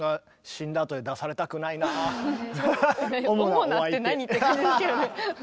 「主な」って何？って感じですけどね。